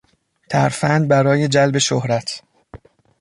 ترفند برای جلب شهرت